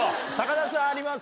田さんあります？